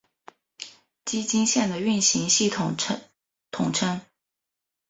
崎京线的运行系统通称。